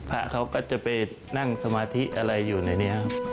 พระเขาก็จะไปนั่งสมาธิอะไรอยู่ในนี้ครับ